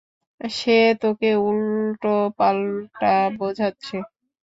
সে তোকে উল্টো পাল্টা বোঝাচ্ছে।